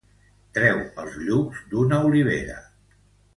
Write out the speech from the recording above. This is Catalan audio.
Treu els llucs d'una olivera.